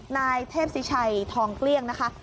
นายเทพศิชัยทองเกลี้ยงนะคะ